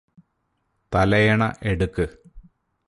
തലയണ എടുക്ക്